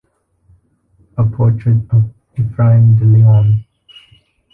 A portrait of Ephraim de Leon.